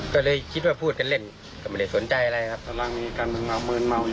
ก็ไม่ได้สนใจอะไรครับ